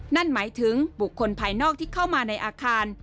นั่นหมายถึงบุคคลภายนอกที่เข้ามาในอาคาร